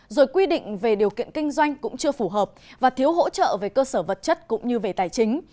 rồi quy định về điều kiện kinh doanh cũng chưa phù hợp và thiếu hỗ trợ về cơ sở vật chất cũng như về tài chính